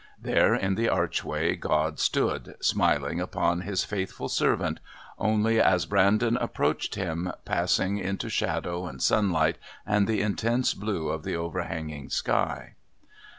There in the archway God stood, smiling upon His faithful servant, only as Brandon approached Him passing into shadow and sunlight and the intense blue of the overhanging sky.